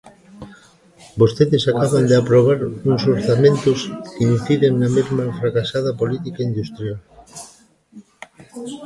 Vostedes acaban de aprobar uns orzamentos que inciden na mesma fracasada política industrial.